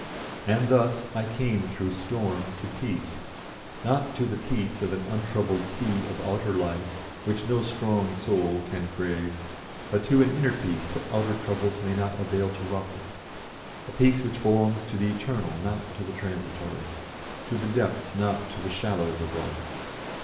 And thus I came through storm to peace, not to the peace of an untroubled sea of outer life, which no strong soul can crave, but to an inner peace that outer troubles may not avail to ruffle a peace which belongs to the eternal not to the transitory, to the depths not to the shallows of life.